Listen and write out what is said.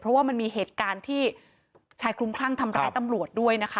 เพราะว่ามันมีเหตุการณ์ที่ชายคลุมคลั่งทำร้ายตำรวจด้วยนะคะ